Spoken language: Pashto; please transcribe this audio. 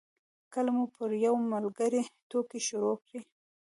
کله مو پر یو ملګري ټوکې شروع کړې.